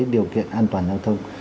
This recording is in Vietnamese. điều kiện an toàn giao thông